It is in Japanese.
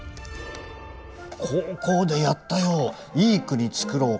高校でやったよ。